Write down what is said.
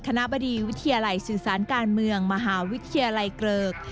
บดีวิทยาลัยสื่อสารการเมืองมหาวิทยาลัยเกริก